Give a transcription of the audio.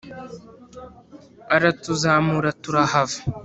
aratuzamura turahava.